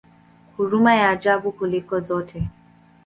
Huruma ya ajabu kuliko zote!